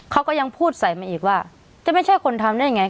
เขาก็ยังพูดใส่มาอีกว่าจะไม่ใช่คนทำได้ยังไง